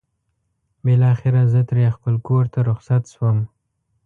بالاخره زه ترې خپل کور ته رخصت شوم.